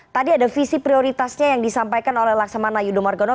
tadi ada visi prioritasnya yang disampaikan oleh laksamana yudho margono